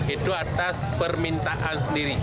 itu atas permintaan sendiri